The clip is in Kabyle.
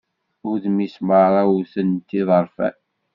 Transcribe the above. Udem-is merra wwten-t yiḍerfan.